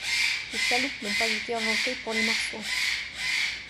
Les chaloupes n’ont pas été inventées pour les marsouins!...